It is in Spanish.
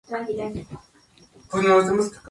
A nivel de clubes juega en el Levski Sofia.